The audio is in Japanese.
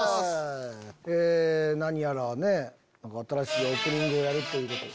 え何やらね新しいオープニングをやるっていう。